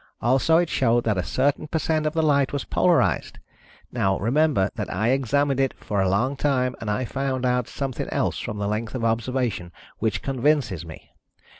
Also it showed that a certain per cent of the light was polarized. Now remember that I examined it for a long time and I found out something else from the length of observation which convinces me.